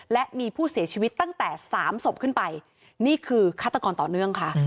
และมีผู้เสียชีวิตตั้งแต่๓ศพขึ้นไปนี่คือฆาตกรต่อเนื่องค่ะ